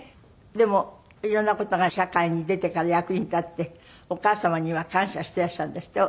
でも色んな事が社会に出てから役に立ってお母様には感謝していらっしゃるんですって？